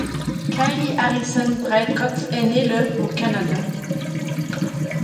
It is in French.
Kyle Harrison Breitkopf est né le au Canada.